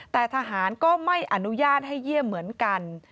แต่ทหารก็ไม่อนุญาตให้เยี่ยมเหมือนกัน